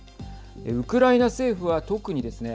ウクライナ政府は、特にですね